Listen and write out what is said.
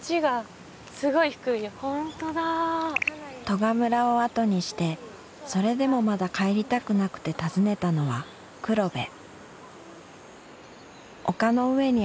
利賀村を後にしてそれでもまだ帰りたくなくて訪ねたのは黒部